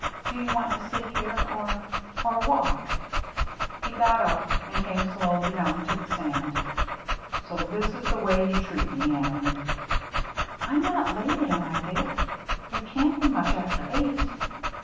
Do you want to sit here or — or walk ?" He got up, and came slowly down to the sand. " So this is the way you treat me, Annie ?" 88 THE MERRT ANNE "Tni not late, am I, Dick? It can't be much after eight."